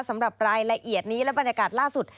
สำหรับรายละเอียดนี้และบรรยากาศล่าสุด